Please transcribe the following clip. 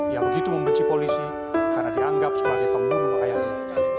ia begitu membenci polisi karena dianggap sebagai pembunuh ayahnya